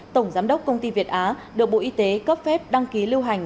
tổng giám đốc công ty việt á được bộ y tế cấp phép đăng ký lưu hành